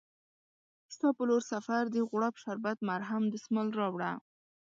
ستا په لورسفردي، غوړپ شربت، مرهم، دسمال راوړه